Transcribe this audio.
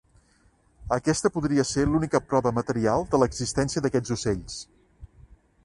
Aquesta podria ser l'única prova material de l'existència d'aquests ocells.